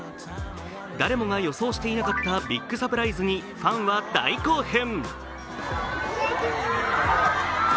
誰もが予想していなかったビッグサプライズにファンは大興奮。